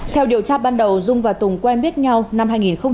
theo điều tra ban đầu dung và tùng quen biết nhau năm hai nghìn một mươi